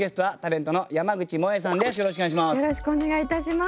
よろしくお願いします。